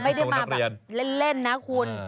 ไม่ได้มาแบบเล่นนะคุณ